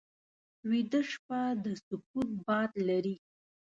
ویده شپه د سکوت باد لري